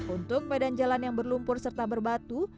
untuk medan jalan yang berlumpur serta berbatu